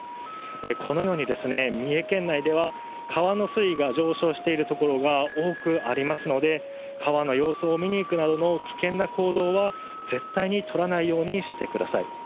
このように、三重県内では川の水位が上昇している所が多くありますので、川の様子を見に行くなどの危険な行動は絶対に取らないようにしてください。